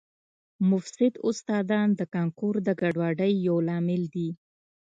مفسد استادان د کانکور د ګډوډۍ یو لامل دي